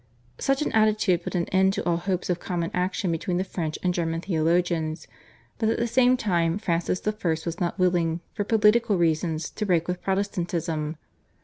Such an attitude put an end to all hopes of common action between the French and German theologians, but at the same time Francis I. was not willing, for political reasons, to break with Protestantism.